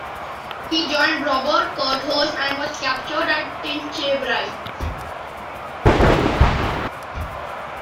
He joined Robert Curthose and was captured at Tinchebrai.